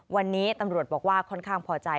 วันนี้ตำรวจบอกว่าค่อนข้างพอใจ